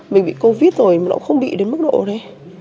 mình bị covid rồi mà nó không bị đến mức độ đấy